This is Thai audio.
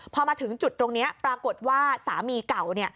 พอมาถึงจุดตรงนี้ปรากฏว่าสามีเก่า